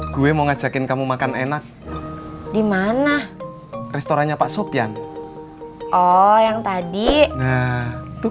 gue mau ngajakin kamu makan enak dimana restorannya pak sofian oh yang tadi